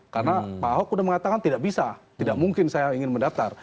karena pak ahok sudah mengatakan tidak bisa tidak mungkin saya ingin mendapatkan